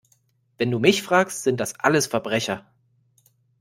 Wenn du mich fragst, sind das alles Verbrecher!